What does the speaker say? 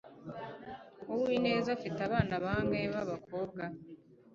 Uwineza afite abana bangahe babakobwa